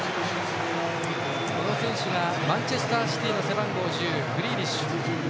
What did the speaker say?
マンチェスターシティーの背番号１０グリーリッシュ。